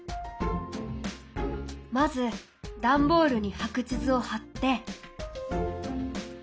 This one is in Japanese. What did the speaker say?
まずダンボールに白地図を貼って！